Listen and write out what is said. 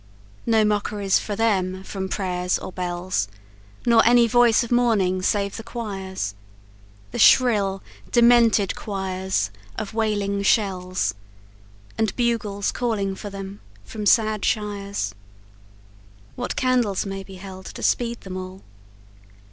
No mockeries for them from prayers or bells, Nor any voice of mourning save the choirs The shrill, demented choirs of wailing shells; And bugles calling for them from sad shires. What candles may be held to speed them all?